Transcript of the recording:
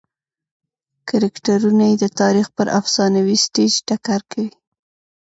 کرکټرونه یې د تاریخ پر افسانوي سټېج ټکر کوي.